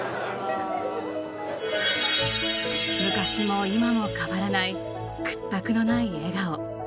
昔も今も変わらない屈託のない笑顔。